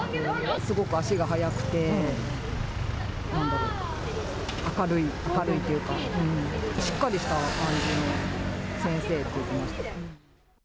すごく足が速くて、なんだろう、明るい、明るいというか、しっかりした感じの先生って言ってました。